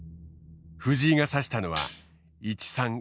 藤井が指したのは１三角成。